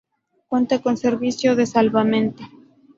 Cuenta con servicio de salvamento.